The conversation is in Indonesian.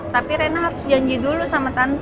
tapi rena harus janji dulu sama tante